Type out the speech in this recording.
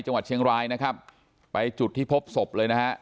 จังหวัดเชียงรายนะครับไปจุดที่พบศพเลยนะฮะ